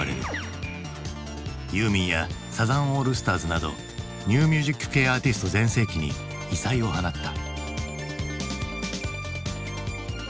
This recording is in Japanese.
ユーミンやサザンオールスターズなどニューミュージック系アーティスト全盛期に異彩を放った。